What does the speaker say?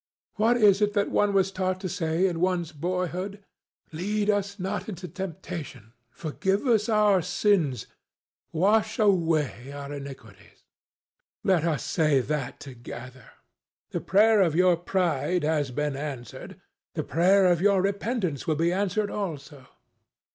"What is it that one was taught to say in one's boyhood? 'Lead us not into temptation. Forgive us our sins. Wash away our iniquities.' Let us say that together. The prayer of your pride has been answered. The prayer of your repentance will be answered also.